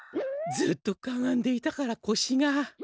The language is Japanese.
ずっとかがんでいたからこしが。